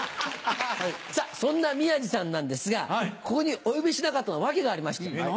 そんな宮治さんなんですがここにお呼びしなかったのは訳がありまして。